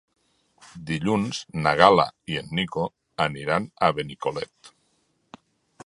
Dilluns na Gal·la i en Nico aniran a Benicolet.